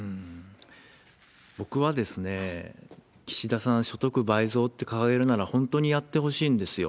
僕は岸田さん、所得倍増って掲げるなら、本当にやってほしいんですよ。